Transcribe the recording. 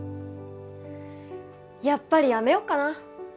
やっぱりやめようかな。